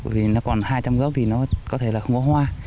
vì nó còn hai trăm linh gốc thì nó có thể là không có hoa